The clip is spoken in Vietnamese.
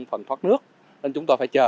phần thoát nước nên chúng tôi phải chờ